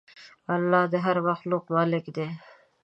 الله د هر مخلوق مالک دی.